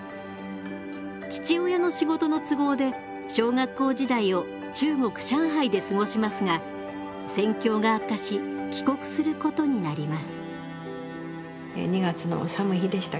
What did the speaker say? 父親の仕事の都合で小学校時代を中国・上海で過ごしますが戦況が悪化し帰国することになります。